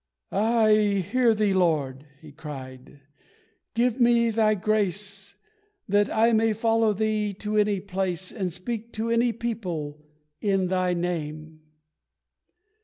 "I hear Thee, Lord!" he cried. "Give me Thy grace, That I may follow thee to any place, And speak to any people in Thy name."